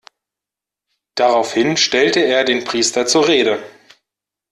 Daraufhin stellte er den Priester zur Rede.